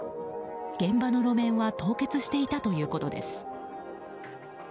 現場の路面は凍結していたということです。